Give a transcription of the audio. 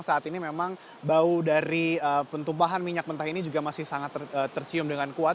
saat ini memang bau dari penumpahan minyak mentah ini juga masih sangat tercium dengan kuat